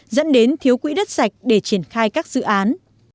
dẫn đến thiếu quỹ đất sạch để triển khai các dự án